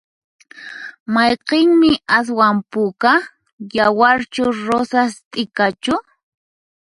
Mayqinmi aswan puka? yawarchu rosas t'ikachu?